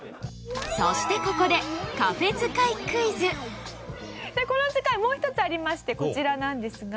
そしてここでこの図解もう１つありましてこちらなんですが。